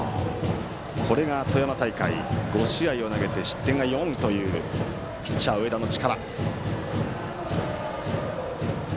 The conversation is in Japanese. これが富山大会５試合を投げて失点が４というピッチャー、上田の力。